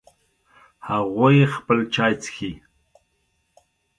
هغوی خپل چای څښي